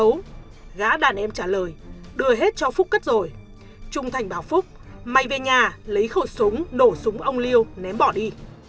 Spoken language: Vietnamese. dũng gã đàn em trả lời đưa hết cho phúc cất rồi trung thành bảo phúc mày về nhà lấy khẩu súng nổ súng ông liêu ném bỏ đi